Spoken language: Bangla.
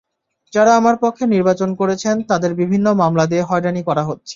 যাঁরা আমার পক্ষে নির্বাচন করেছেন, তাঁদের বিভিন্ন মামলা দিয়ে হয়রানি করা হচ্ছে।